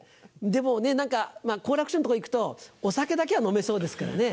でも好楽師匠の所行くとお酒だけは飲めそうですからね。